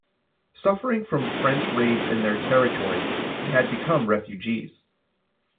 Suffering from French raids in their territory, they had become refugees.